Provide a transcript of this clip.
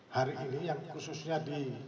hari ini yang khususnya di